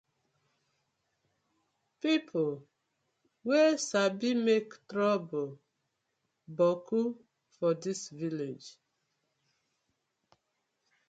Pipu wey sabi mak toruble boku for dis villag.